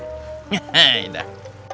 he he yaudah